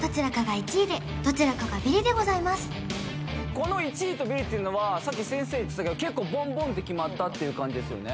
この１位とビリっていうのはさっき先生言ってたけど結構ボンボンって決まったっていう感じですよね？